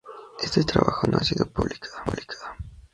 Este trabajo no ha sido publicado.